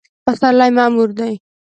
پسرلی معمور دی